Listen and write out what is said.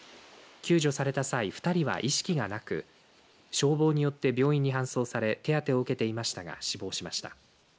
救助された際、２人は意識がなく消防によって病院に搬送され手当てを受けていましたが死亡しました。